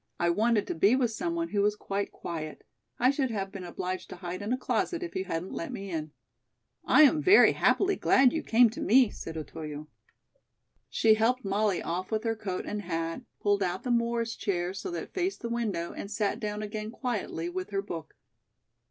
I wanted to be with someone who was quite quiet. I should have been obliged to hide in a closet if you hadn't let me in." "I am very happily glad you came to me," said Otoyo. She helped Molly off with her coat and hat, pulled out the Morris chair so that it faced the window and sat down again quietly with her book.